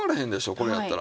これやったら。